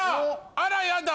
あらやだ！